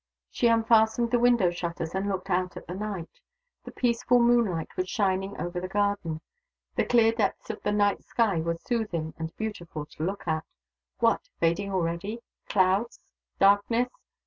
She unfastened the window shutters and looked out at the night. The peaceful moonlight was shining over the garden. The clear depths of the night sky were soothing and beautiful to look at. What! Fading already? clouds? darkness?